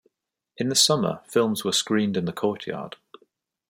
In the summer, films were screened in the courtyard.